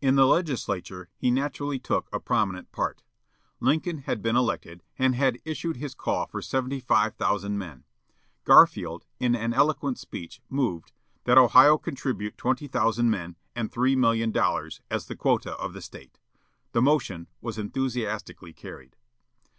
In the Legislature he naturally took a prominent part. Lincoln had been elected and had issued his call for seventy five thousand men. Garfield, in an eloquent speech, moved, "That Ohio contribute twenty thousand men, and three million dollars, as the quota of the State." The motion was enthusiastically carried.